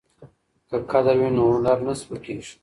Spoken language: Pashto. که قدر وي نو هنر نه سپکیږي.